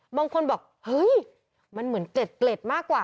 บางคนบอกเฮ้ยมันเหมือนเกล็ดเกล็ดมากกว่า